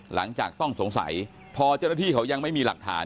หลังจากต้องสงสัยพอเจ้าหน้าที่เขายังไม่มีหลักฐาน